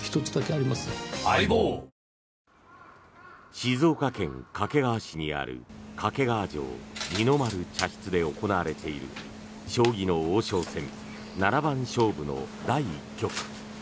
静岡県掛川市にある掛川城二の丸茶室で行われている将棋の王将戦七番勝負の第１局。